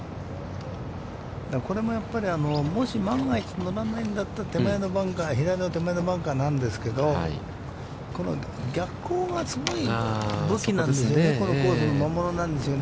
これもやっぱりもし万が一乗らないんだったら手前のバンカー、左の手前のバンカーなんですけど、この逆光がすごい武器なんですね